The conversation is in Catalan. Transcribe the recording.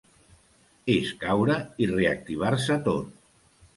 És caure i reactivar-se tot.